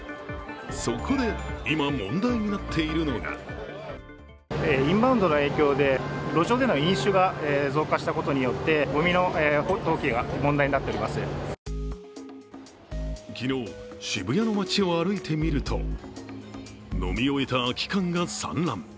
そこで今、問題になっているのが昨日、渋谷の街を歩いてみると、飲み終えた空き缶が散乱。